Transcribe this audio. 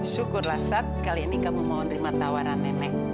syukurlah sat kali ini kamu mau nerima tawaran nenek